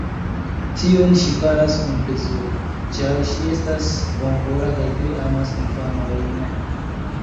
Tion ŝi faras kun plezuro, ĉar ŝi estas bonkora kaj tre amas infanojn.